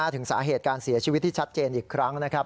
ถึงสาเหตุการเสียชีวิตที่ชัดเจนอีกครั้งนะครับ